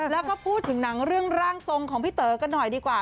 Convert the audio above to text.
แล้วก็พูดถึงหนังเรื่องร่างทรงของพี่เต๋อกันหน่อยดีกว่า